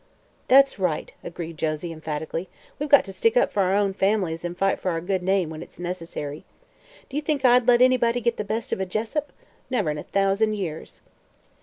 "That's right," agreed Josie, emphatically. "We've got to stick up for our own families and fight for our good name when it's necessary. Do you think I'd let anybody get the best of a Jessup? Never in a thousand years!"